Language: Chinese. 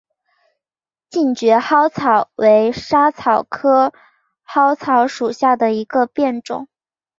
近蕨嵩草为莎草科嵩草属下的一个变种。